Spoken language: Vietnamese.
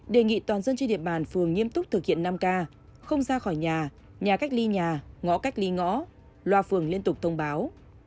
đề nghị toàn dân trên địa bàn phường nghiêm túc thực hiện năm k không ra khỏi nhà nhà cách ly nhà ngõ cách ly ngõ loa phường liên tục thông báo